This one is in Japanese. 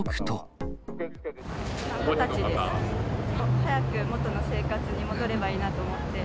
早く元の生活に戻ればいいなと思って。